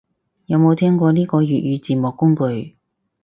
有冇聽過呢個粵語字幕工具